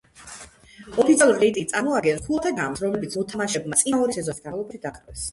ოფიციალური რეიტინგი წარმოადგენს ქულათა ჯამს, რომლებიც მოთამაშეებმა წინა ორი სეზონის განმავლობაში დააგროვეს.